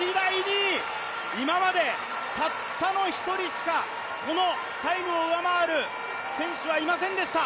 今までたったの一人しかこのタイムを上回る選手はいませんでした。